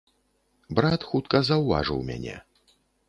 Брат хутка заўважыў мяне.